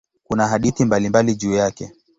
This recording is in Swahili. Kuna hadithi mbalimbali juu yake.